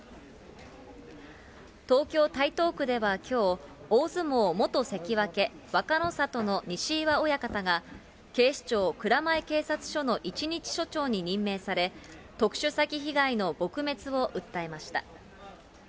東京・台東区ではきょう、大相撲元関脇・若の里の西岩親方が、警視庁蔵前警察署の一日署長に任命され、特殊詐欺被害の撲滅を訴えました。